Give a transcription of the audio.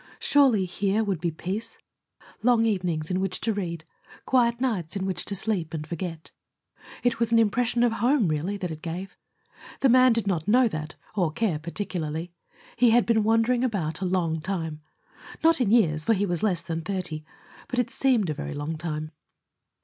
Surely here would be peace long evenings in which to read, quiet nights in which to sleep and forget. It was an impression of home, really, that it gave. The man did not know that, or care particularly. He had been wandering about a long time not in years, for he was less than thirty. But it seemed a very long time.